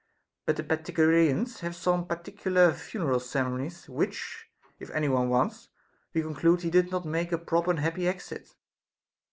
But the Pythagoreans have some SOCRATES'S DAEMON. 399 particular funeral ceremonies, which, if any one wants, we conclude he did not make a proper and happy exit.